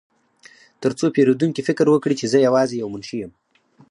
ترڅو پیرودونکي فکر وکړي چې زه یوازې یو منشي یم